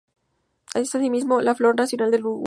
Es, asimismo, la flor nacional del Uruguay.